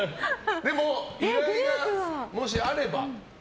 でも依頼がもしあれば？